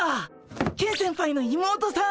ケン先輩の妹さん！